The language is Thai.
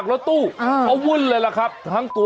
ขอบคุณครับขอบคุณครับ